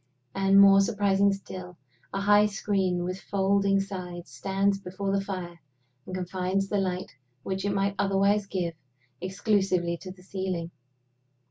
And, more surprising still, a high screen with folding sides stands before the fire, and confines the light which it might otherwise give exclusively to the ceiling.